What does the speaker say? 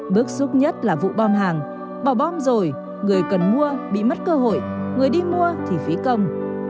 bức xúc nhất là vụ bom hàng bỏ bom rồi người cần mua bị mất cơ hội người đi mua thì phía công